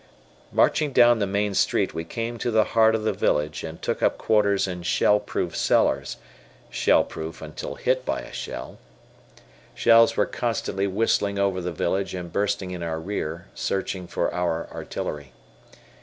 Marching down the main street we came to the heart of the village, and took up quarters in shell proof cellars (shell proof until hit by a shell). Shells were constantly whistling over the village and bursting in our rear, searching for our artillery.